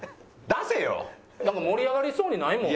盛り上がりそうにないもん。